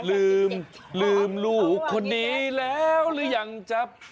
ลืมลืมลูกคนนี้แล้วหรือยังจ๊ะ